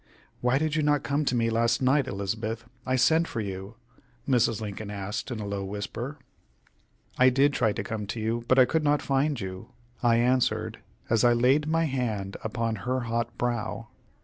"Why did you not come to me last night, Elizabeth I sent for you?" Mrs. Lincoln asked in a low whisper. "I did try to come to you, but I could not find you," I answered, as I laid my hand upon her hot brow.